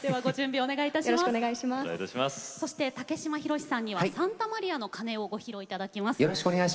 そして、竹島宏さんには「サンタマリアの鐘」をご披露いただきます。